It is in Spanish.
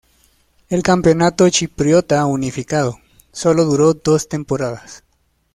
El campeonato chipriota unificado, sólo duró dos temporadas.